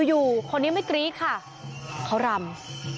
อยู่คนนี้ไม่กรี๊ดค่ะเขารำ